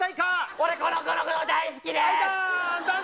俺この子のこと大好きです。